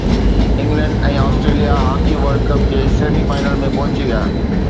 England ۽ Australia hockey world cup جي semi final ۾ پهچي ويا